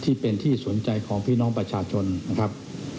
ที่เป็นที่สนใจของพี่น้องประชาชนนะครับ